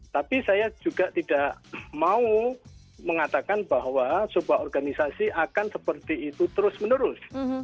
tapi saya juga tidak mau mengatakan bahwa sebuah organisasi akan seperti itu terus menerus